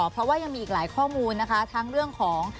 เพราะว่ายังมีอีกหลายข้อมูลนะคะทั้งเรื่องของ